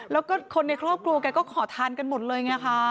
แล้วก็คนในครอบครัวแกก็ขอทานกันหมดเลยไงคะ